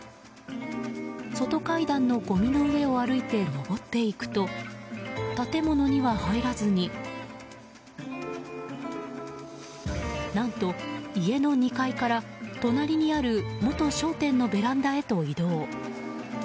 外階段のごみの上を歩いて上っていくと建物には入らずに何と、家の２階から隣にある元商店のベランダへと移動。